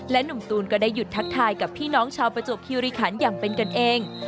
หนุ่มตูนก็ได้หยุดทักทายกับพี่น้องชาวประจวบคิริขันอย่างเป็นกันเอง